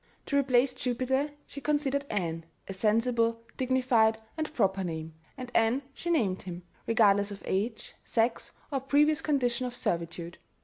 To replace "Jupiter" she considered "Ann" a sensible, dignified, and proper name, and "Ann" she named him, regardless of age, sex, or "previous condition of servitude."